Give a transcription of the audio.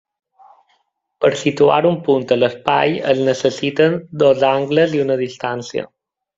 Per situar un punt a l'espai es necessita dos angles i una distància.